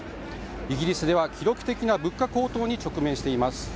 イギリスは記録的な物価高騰に直面しています。